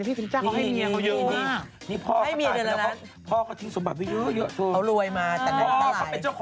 พี่พกิจจ้าก็ให้มีเงี่ยของเขาเยอะมาก